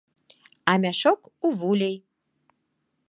А мяшок у вулей!